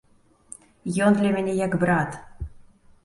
Ён для мяне як брат.